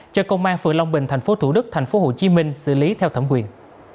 cho công an phường long bình thành phố thủ đức thành phố hồ chí minh xử lý theo thẩm quyền